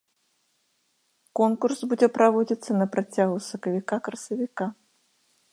Конкурс будзе праводзіцца на працягу сакавіка-красавіка.